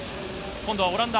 今度はオランダ。